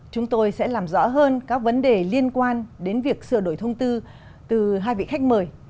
chúng tôi sẽ làm rõ hơn các vấn đề liên quan đến việc sửa đổi thông tư từ hai vị khách mời